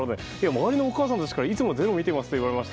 周りのお母さんたちからいつも「ｚｅｒｏ」見てますと。